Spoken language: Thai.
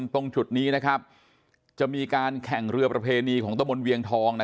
ตรงจุดนี้จะมีการแข่งเรือประเพณีของตะมนต์เวียงทอง